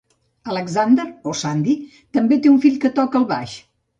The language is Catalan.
Alexander o "Sandy" també té un fill que toca el baix.